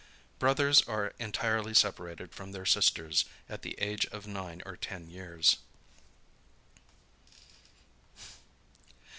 Brothers are entirely separated from their sisters at the age of nine or ten years.